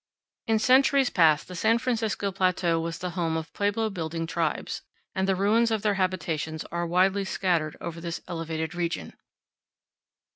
In centuries past the San Francisco Plateau was the home of pueblo building tribes, and the ruins of their habitations are widely scattered over this elevated region.